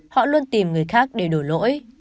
họ luôn tìm người khác để đổ lỗi